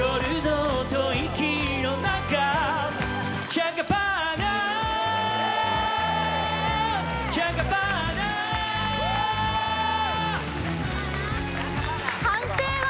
チャンカパーナ判定は？